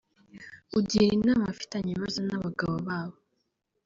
ugira inama abafitanye ibibazo n’abagabo babo